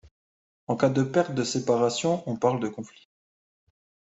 En cas de perte de séparation on parle de conflit.